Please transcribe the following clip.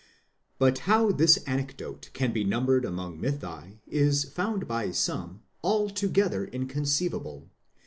But how this anecdote can be numbered among mythi is found by some altogether inconceivable.